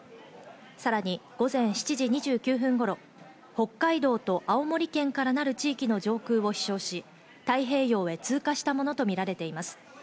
さらに午前７時２９分頃、北海道と青森県からなる地域の上空を飛翔し、太平洋へ通過したものとみられています。